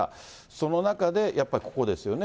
その中で、やっぱりここですよね。